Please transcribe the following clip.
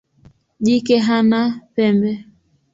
Jike hana pembe.